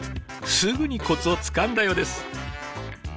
すぐにコツをつかんだようです。